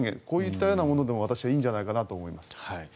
こういったようなものでも私はいいんじゃないかなと思います。